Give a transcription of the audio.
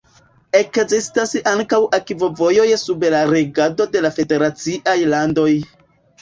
Ekzistas ankaŭ akvovojoj sub la regado de la federaciaj landoj.